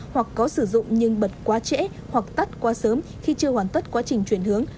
hoặc có sử dụng nhưng bật quá trễ hoặc tắt quá sớm khi chưa hoàn tất quá trình chuyển hướng